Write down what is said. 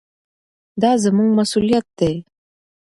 دا زموږ مسؤلیت دی.